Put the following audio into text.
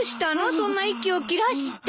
そんな息を切らして。